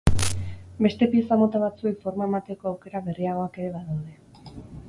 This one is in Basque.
Beste pieza mota batzuei forma emateko aukera berriagoak ere badaude.